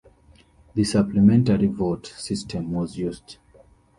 The Supplementary Vote system was used.